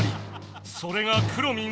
それがくろミン